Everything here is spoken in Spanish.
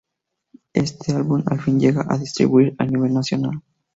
Este álbum al fin se llega a distribuir a nivel nacional.